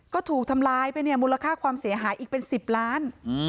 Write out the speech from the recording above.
ก็ถูกทำร้ายไปเนี่ยมูลค่าความเสียหายอีกเป็น๑๐ล้าน